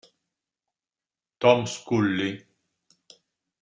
Tom Scully